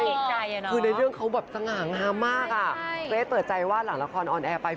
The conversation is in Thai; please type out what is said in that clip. ต้องเก็บใจเนอะคือในเรื่องเขาแบบสง่างามมากอ่ะเกรฟลินทรเปิดใจว่าหลังละครออนแอร์ไป